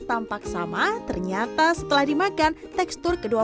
tampak sama ternyata setelah dimakan tekstur kedua